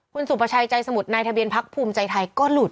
คุณสุประชัยใจสมุทรนายทะเบียนพักภูมิใจไทยก็หลุด